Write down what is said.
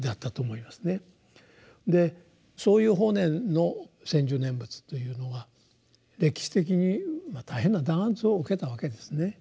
でそういう法然の専修念仏というのは歴史的に大変な弾圧を受けたわけですね。